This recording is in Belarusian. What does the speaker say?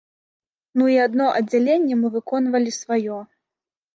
Ну і адно аддзяленне мы выконвалі сваё.